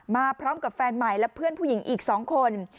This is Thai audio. มาพร้อมกับแฟนใหม่และเพื่อนผู้หญิงอีก๒คน